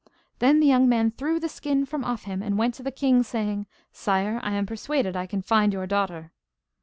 Then the young man threw the skin from off him, and went to the king, saying: 'Sire, I am persuaded I can find your daughter.